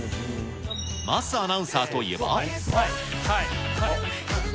桝アナウンサーといえば。